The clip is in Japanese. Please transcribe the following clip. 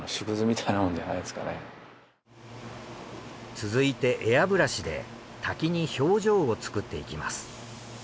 続いてエアブラシで滝に表情を作っていきます。